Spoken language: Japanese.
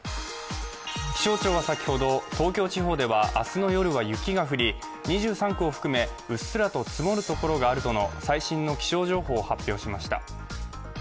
気象庁は先ほど、東京地方では、明日の夜は雪が降り２３区を含めうっすらと積もるところがあるとの最新の気象情報を発表しました。